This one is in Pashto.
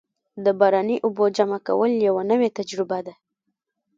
د باراني اوبو جمع کول یوه نوې تجربه ده.